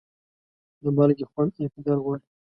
د مالګې خوند اعتدال غواړي.